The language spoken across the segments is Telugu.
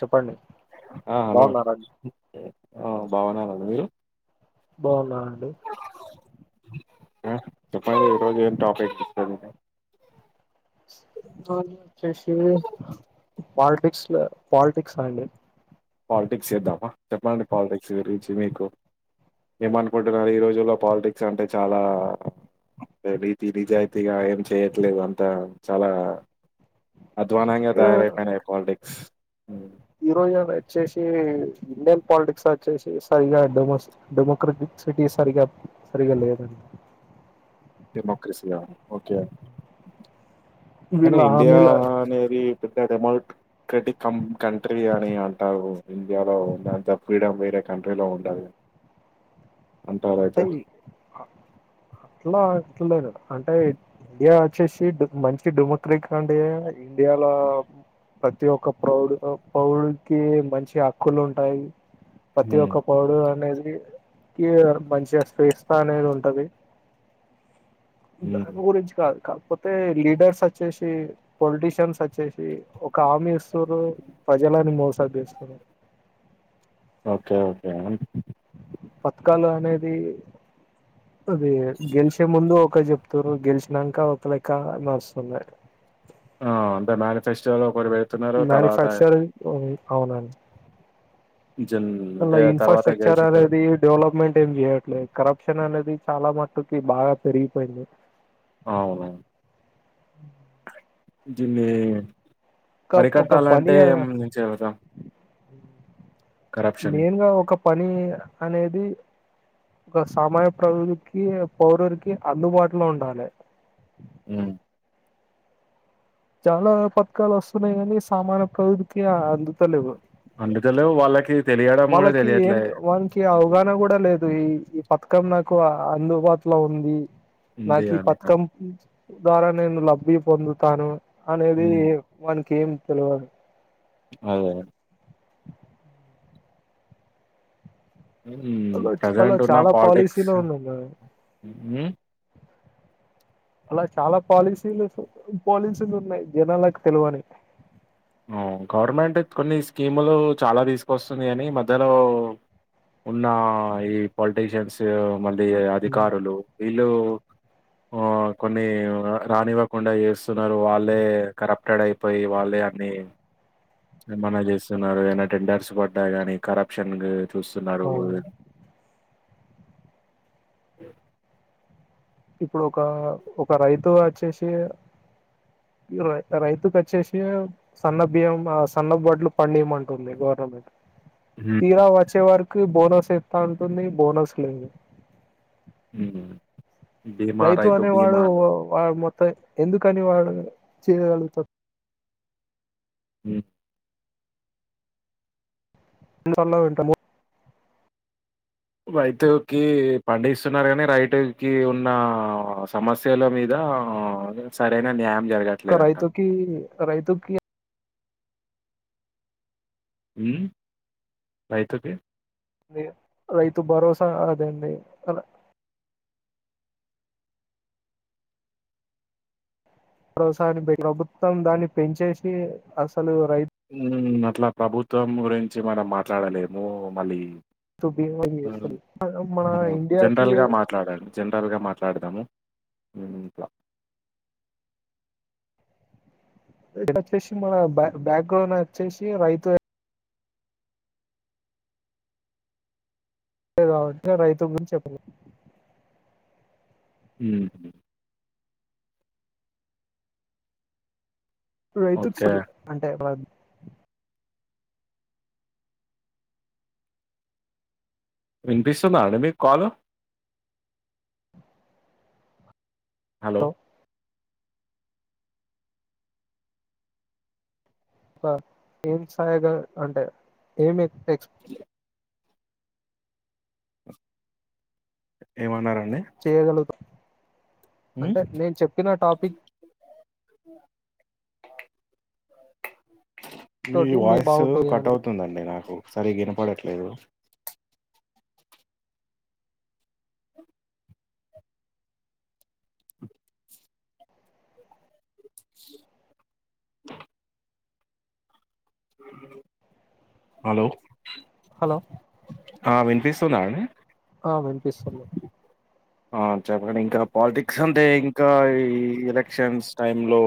చెప్పండి ఆ హలో బాగున్నారా అండి. ఆ బాగునే ఉన్న మీరు బాగున్నా అండి హుమ్ చెప్పండి ఈరోజు ఏం టాపిక్ వచ్చేసి పాలిటిక్స్ లో పాలిటిక్స్ ఆ అండి పాలిటిక్స్ చేద్దామా చెప్పండి పాలిటిక్స్ గురించి మీకు ఏమనుకుంటున్నారు ఈ రోజుల్లో పాలిటిక్స్ అంటే చాలా రీతి నిజాయితీగా ఏం చేయట్లేదు అంతా చాలా అధ్వానంగా ఆ, తయారైపోయినాయి పాలిటిక్స్ ఉమ్ ఈ రోజు వచ్చేసి ఇండియన్ పాలిటిక్స్ వచ్చే సరిగాడెమ డెమోక్రటిక్ సిటీ సరిగా సరిగా లేదండి డెమోక్రసీ యా ఓకే నే వీళ్ళ హామీల ఇండియానేది పెద్ద డెమోక్రటిక్ క కంట్రీ అని అంటారు ఇండియాలోంతా ఫ్రీడమ్ వేరే కంట్రీలో ఉండదు అంటారు అంటే అయితే అట్లా అట్లేదు అంటే ఇండియా వచ్చేసి మంచి డెమోక్రటి కంట్రీ ఇండియాలో ప్రతి ఒక్క ప్రౌడ్ పౌరుడికి మంచి హక్కులు ఉంటాయి. ప్రతి ఉమ్, ఒక్క పౌరుడు అనేది [unintelligible] జైకిస్తాన్ ఏదో ఉంటది ఉమ్. దాని గురించి కాదు కాద్ కపోతే లీడర్స్ వచ్చేసి పొలిటీషియన్స్ వచ్చేసి ఒక ఆర్మీ రు ప్రజలని మోసం చేస్తారు ఏమా పథకాలు అనేది అది గెలిచే ముందు ఒక చెప్తారు గెలిచినాక ఒక లెక్క మారుస్తున్నారు ఆహ్ అంటే మనిఫెస్టో వచ్చారు ఒకరు వెళ్తున్నారు తర్వాత మ్యానుఫ్యాక్చర్ అవునండి జన్ అలా అంటే తర్వాత ఇన్ఫ్రాస్ట్రక్చర్ గెలిచిన తర్వాత అనేది డెవలప్మెంట్స్ ఏం చేయ ఇట్లే కరప్షన్ అనేది చాలా మటుకి బాగా పెరిగిపోయింది. అవును దిన్ని ఒక ఒక పని అరికట్టాలంటే నుంచి చెత్తం మెయిన్ గా ఒకప్ పని అనేది. ఒక సామాన్య [unintelligible] పౌరునీకి అందుబాటులో ఉండాలే. హ్మ్ చాలా పథకాలు వస్తున్నాయి. కానీ సామాన్య పౌరునికి అందుతలేవు. అందుతలేవ్ వాళ్ళకి తెలియడం గూడా వాళ్ళకి ఏం తెలియట్లే. వాళ్కి హ్మ్. అవగాహన కూడా లేదు. ఈ ఈ పతకం నాక్ ఎక్కువ అందుబాటులో ఉంది. ఉంది నాకి అని. ఆ! పత్కం ద్వారాన్ నేను లబ్ధి పొందుతాను. అనేది హ్మ్. వానికి ఏం తెలవదు. ప్చ్ అవును హ్మ్. అలాచ్ అలా ప్రెజెంట్ ఉన్న చాలా పాలసీలు ఉన్నాయి. కదా మ్మ్ అలా చాలా పాలసీలకు, పాలసీలు ఉన్నాయి. జనాలకు తెలువని ఆవ్ గవర్నమెంట్ కొన్ని స్కీములు చాలా తీసుకోస్తుంది. గాని మధ్యలో ఉన్న ఈ పొలిటీషియన్స్. మళ్ళీ అధికారులు వీళ్ళు ఆ కొన్ని ఆ రానివ్వకుండా చేస్తున్నారు. వాళ్ళే కరప్టెడ్ అయిపోయి వాళ్ళే నే ప్చ్ ఏమన్నా చేస్తున్నారు. [unintelligible] టెండర్స్ గొడ్డాయిగాని కరప్షనింగ్ చూస్తున్నారు. అవును ఇప్పుడు ఒక ఒక రైతు వచ్చేసి, ఇరవై ఆ రైతుకి వచ్చేసి, సన్న బియ్యం ఆ సన్నబడ్లు పండియమంటుంది. గవర్నమెంట్ హ్మ్. తీరా వచ్చే వర్క్ తీ బోనస్ వేస్తా అంటుంది. బోనస్ లేదు. హ్మ్ బీమా, రైతు అనే వాడు బీమాలు. వాడ్ మె ఎందుకని వాళ్ళు చేయగలుగుతర్. హ్మ్ ఇంగ అలా ఉంటమో. రైతుకి పండిస్తున్నారు. కాని రైతుకి ఉన్న సమస్యల మీద, అదే సరైన న్యామ్ కా రైతుకి అరైతుక్కి హ్మ్ రైతుకి అదే రైతు భరోసా అదేండి. అలా ప్రౌసారీ బేటి ప్రభుత్వం, దాన్ని పెంచేసి అసలు రైతు హ్మ్ అట్లాక్ ప్రభుత్వం గురించి మనం మాట్లాడలేము. మళ్ళీ బీమా హు చేస్తుంది మన హు ఇండియాకి జనరల్ గా మాట్లాడండి జనరల్ గా మాట్లా కడదామ హమ్ ఇట్లా వచ్చేసి మన బ బ్యాక్ గ్రౌండ్ వచ్చేసి రైతు కాబట్టి రైతు గురించి చెప్పలే హామ్ రైతుకు ఓకే. సామ్ అంటే బ వినిపిస్తుందా అండి మీకు కాలు హలో పా ఏం స్థాయిగా అంటే ఏమి ఎక్స్ ఏమన్నా రా చేయగలుగుత హ్మ్. అంటే నేను చెప్పిన టాపిక్ మీ తోటి మీరు వాయిస్ బాగుంటుంది కట్ అనేది అవుతుందండి నాకు సరిగ్గినపడట్లేదు. హలో హలో ఆ వినపిస్తుందా అండి ఆ వినిపిస్తుంది ఆ చెప్పండి ఇంకా పాలిటిక్స్ అంటే ఇంకా ఈ ఎలక్షన్స్ టై లో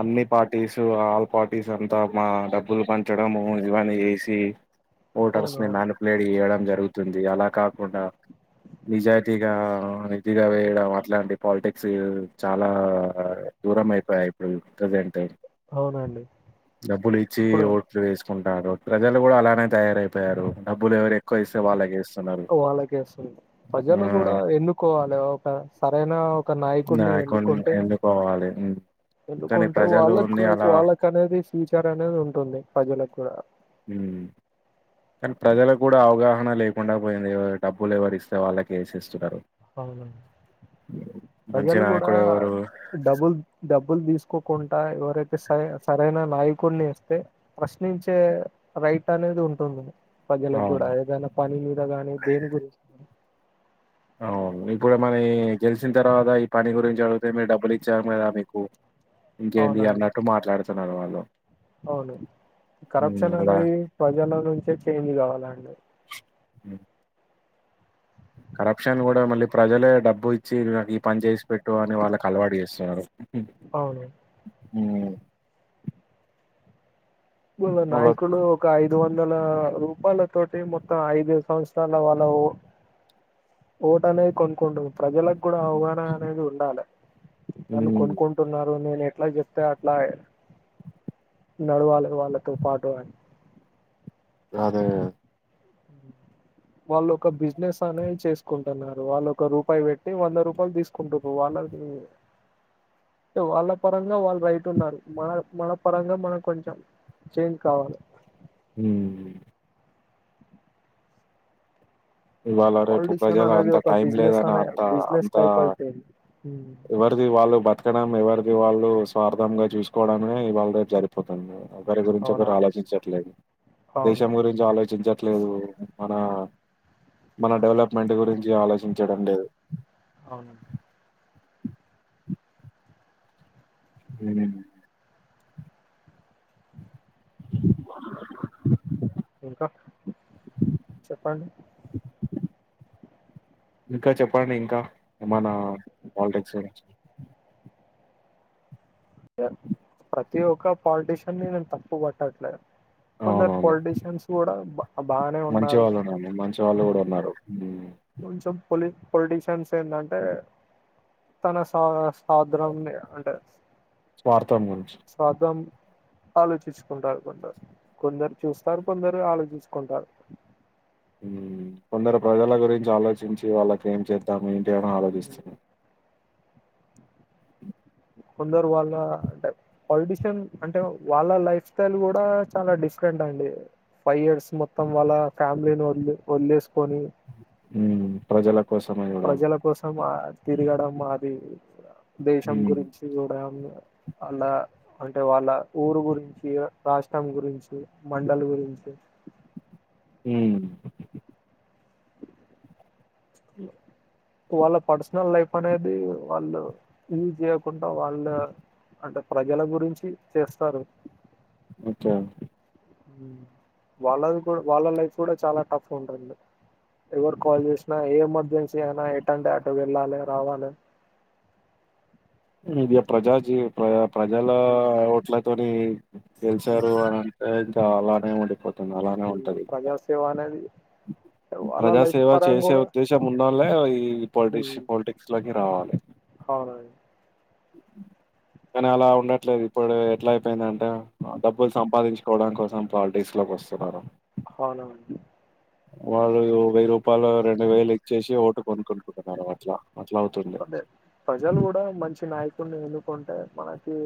అన్ని పార్టీసు ఆల్ పార్టీసు అంతా మా డబ్బులు పంచడము ఇవన్నీ చేసి ఓటర్స్ని అవునవును నన పలేడి ఏళ్ం జరి జరుగుతుంది అలా కాకుండా నిజాయి దిగా ఉంది కొద్దిగా అదే వేయడం అట్లాంటి పాలిటిక్స్ చాలా దూరం అయిపోయాయి ఇప్పుడు ప్రజెంట్ అవునండి డబ్బులు ఇచ్చి ఇప్పుడు ఓ వే ఉంటారు ప్రజలు కూడా అలానే తయారైపోయారు డబ్బులు ఎవర క్కసే వాళ్ళగ చేస్తున్నారు వాళ్ళకే వస్తుంది ప్రజలు కూడా ఎన్నుకోవాలి ఒక సరైన ఒక ఆ నాయకుడిని కొన్ని ఎన్నుకుంటే ఎన్నుకోవాలి ఉమ్. కానీ ఎన్నుకుంటే వాళ్ళకు ప్రజలుని అలా వాళ్ళక అనేది ఫ్యూచర్ అనేది ఉంటుంది ప్రజలకు కూడా ఉమ్. కానీ ప్రజలకు కూడా అవగాహన లేకుండా పోయింది డబ్బులు ఎవరి ఇస్తే వాళ్ళకి వేస ఇస్తున్నారు అవున మంచి ప్రజలు కూడా నాయకుడు ఎవరు డబ్బుల్ డబ్బులు తీసుకో కుంటా ఎవరైతే సర సరైన నాయకుడిని ఇస్తే ప్రశ్నించే రైట్ అనేది ఉంటుంది ప్రజలకు అవును కూడా ఏదైనా పని మీద గాని దేని గురిం అవును ఇప్పుడు మన గెలిచిన తర్వాత ఈ పని గురించి అడిగితే మీరు డబ్బులు ఇచ్చాం కదా మీకు ఇంకేంటి అవునండి అన్నట్టు మాట్లాడుత్ వాళ్ళలో అవును కరప్షన్ అనేది ప్రజల నుంచే చేంజ్ కావాలండి. హ్మ్ కరప్షన్ కూడా మళ్ళీ ప్రజలే డబ్బు ఇచ్చి ఈ పని చేసి పెట్టు అని వాళ్ళకి అలవాటు చేస్తున్నారు. అవును ఉమ్ నాయకులు ఒక ఐదు వం ందల రూపాయల తోటి మొత్తం ఐదు సంవత్సరాల వాళ్ళ ఓ ఓటనేది కొనుక్కుంటుర్రు ప్రజలక్ కూడా అవగాన అనేది ఉండాలె. నన్ను హ్మ్ కొనుక్కుంటున్నారు నేను ఎట్ల జెప్త అట్లా నడవాలె వాళ్ళతో పాటువాను అదే వాళ్ళు ఒక బిజినెస్ అనేది చేసుకుంటున్నారు. వాళ్ళు ఒక రూపాయి పెట్టి వంద రూపాయలు తీసుకుంటుర్రు వాళ్ళకి వాళ్ళ పరంగా వాళ్ళు రైట్ ఉన్నారు. మన మన పరంగా మనకు కొంచెం చేంజ్ కావాలి. హ్మ్ ఇవాళ రేపు పాలిటీషియన్ ప్రజలు అనేది అంత ఒక టైం బిజినెస్ లేదని అనే అంత బిజినెస్ అంత టైప్ అయిపోయింది ఎవరిది వాళ్ళు బతకడం ఎవరి ది వాళ్ళు స్వార్థంగా చూసుకోవడామ ఇ వాళ్ళ రే జరిపోతాంది. ఒకరి గురించి ఒకరు అవునండి ఆలోచించట్లేదు అవును దేశం గురించి ఆలోచించట్ ట్లేదు మన మన డెవలప్మెంట్ గురించి ఆలోచించడం లేదు. అవును హ్మ్ ఇంకా చెప్పండి ఇంకా చెప్పండి ఇంకా ఏమన్నా పాలిటిక్స్ గురించి ప్రతి ఒక్క పాలిటీషియన్ని ని నేను తప్పు పట్టట్లేద్ కొందరు అవునవును పొలిటీషియన్స్ కూడా బా బానే మంచి ఉన్నారు గా. వాళ్ళునండి మంచి వాళ్ళు కూడా ఉన్నారు ఉమ్. కొంచెం పొలి పొలిటీషియన్స్ ఏంటంటే తన సా సాద్రంని అంటే స్వార్థం గురించి స్ సార్థం ఆలోచించుకుంటారు కొందరు కొందరు చూస్తారు కొందరు ఆలోచించుకుంటారు హ్మ్ కొందరు ప్రజల గురించి ఆలోచించి వాళ్ళకి ఏం చేద్దాం ఏంటి అని ఆలోచిస్తున్నా కొందరు వాళ్ళ అంటే పాలిటీషియన్ అంటే వాళ్ళ లైఫ్ స్టైల్ కూడా చాలా డిఫరెంట్ అండి ఫైవ్ ఇయర్స్ మొత్తం వాళ్ళ ఫ్యామిలీని వదిలి వదిలేసుకొని హ్మ్ ప్రజల కోసమే చూడాలి ప్రజల కోసం ఆ తిరగడం అది దేశం గురించి కూడా అన్ అలా అంటే వాళ్ళ ఊరు గురించి రాష్ట్రం గురించి మండల్ గురించి ఊ వాళ్ళ పర్సనల్ లైఫ్ అనేది వాళ్ళు లీడ్ చేయకుండా వాళ్ళు అంటే ప్రజల గురించి చేస్తారు. అచ్చా హు వాళ్ళది కూడా వాళ్ళ లైఫ్ కూడా చాలా టఫ్ ఉంటదండి. ఎవరు కాల్ చేసినా ఏ ఎమర్జెన్సీ అయినా ఎటంటే అటు వెళ్ళాలి రావాలి ఇదే ప్రజాజీ ప్రయా ప్రజల ఓట్ల కోని గేల్సారు అంతే చాలా టైం ఉండిపోతాది. ఈ ప్రజా సేవా అనేది వాళ్ళ లైఫ్ ప్రజాసేవ పరంగా చేసే కూడా ఉద్దేశం ఉన్నళ్ళే ఈ పాలిటిస్ పాలిటిక్స్ లోకి రావాలి. అవునండి కానీ అలా ఉండట్లేదు ఇప్పుడు ఎట్లా అయిపోయిందంటే డబ్బులు సంపాదించుకోవడం కోసం పాలిటిక్స్ లోకి వస్తున్నారు. అవునవును. వాళ్ళు వెయ్యి రూపాయలు రెండు వేలు ఇచ్చేసి ఓటు కొనుక్కుకుంటున్నారు అట్లా అట్లా అవుతుంది అదే ప్రజలు కూడా మంచి నాయకుడిని ఎన్నుకుంటే మనకి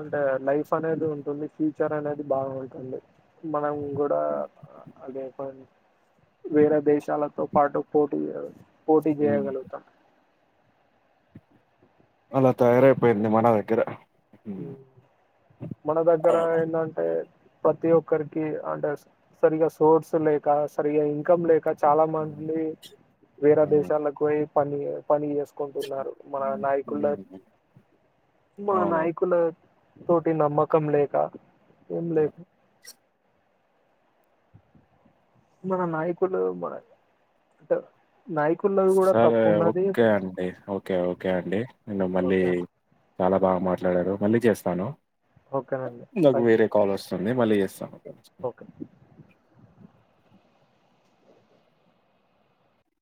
అంటే లైఫ్ అనేది ఉంటుంది ఫ్యూచర్ అనేది బాగుంటుంది మనం కూడా అదే వేరే దేశాలతో పాటు ఫోటీ పోటి చేయ ఉమ్. గలుగుత అలా తయారైపోయింది మన దగ్గర ఊ ఉమ్. మన దగ్గర ఏంటంటే ప్రతి ఒక్కరికి అంటే సరిగా సోర్స్ లేక సరిగా ఇన్కమ్ లేక చాలా మంది ఉమ్. వేరే దేశాలకు పోయి పనీ పని చేసుకుంటున్నారు మన నాయకుల ఉమ్. మా అవును నాయకు తోటీ నమ్మకం లేక ఏం లేక మన నాయకుల బాయ్ అట సరే ఓకే అండి ఓకే ఓకే అండి నేను మళ్ళీ ఓకే అం చాలా బాగా మాట్లాడారు మళ్ళీ చేస్తాను. ఓకేనండి నాకు థ్యాంక్ యూ వేరే కాల్ వస్తుంది మళ్ళీ చేస్తాను. ఓకే